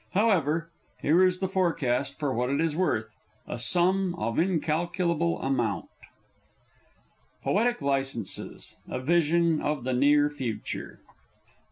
However, here is the forecast for what it is worth, a sum of incalculable amount: POETIC LICENCES. A VISION OF THE NEAR FUTURE.